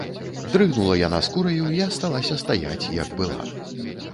Дрыгнула яна скураю й асталася стаяць, як была.